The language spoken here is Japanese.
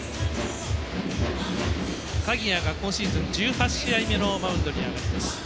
鍵谷が今シーズン１８試合目のマウンドに上がります。